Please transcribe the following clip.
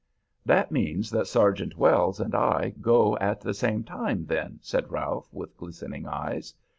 "That means that Sergeant Wells and I go at the same time, then," said Ralph, with glistening eyes.